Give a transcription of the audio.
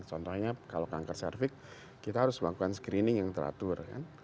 contohnya kalau kanker cervix kita harus melakukan screening yang teratur